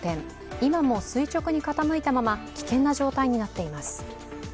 今も垂直に傾いたまま危険な状態になっています。